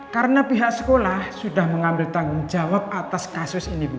karena pihak sekolah sudah mengambil tanggung jawab atas kasus ini bu